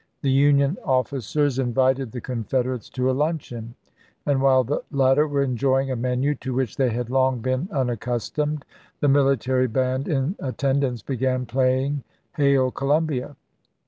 The Union officers invited the Confederates to a luncheon, and while the latter were enjoying a menu to which they had long been unaccustomed, the military band in attendance began playing " Hail, Columbia."